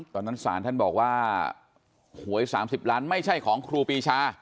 ตอนนั้นศาลท่านบอกว่าหวย๓๐ล้านไม่ใช่ของครูปีชา